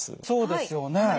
そうですよね。